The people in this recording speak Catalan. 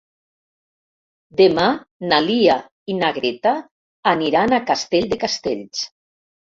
Demà na Lia i na Greta aniran a Castell de Castells.